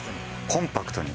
コンパクトに？